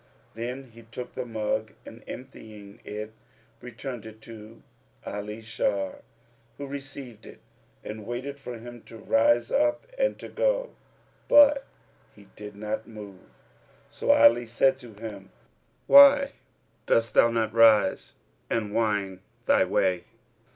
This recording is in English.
Then he took the mug and emptying it, returned it to Ali Shar, who received it and waited for him to rise up and to go; but he did not move. So Ali said to him, "Why dost thou not rise and wend thy way?"